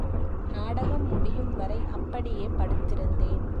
நாடகம் முடியும் வரை அப்படியே படுத்திருந்தேன்.